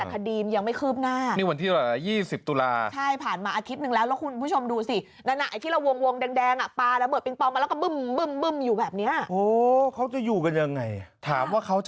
แต่คดีมยังไม่คืบหน้า